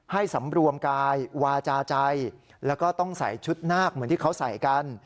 สำรวมกายวาจาใจแล้วก็ต้องใส่ชุดนาคเหมือนที่เขาใส่กัน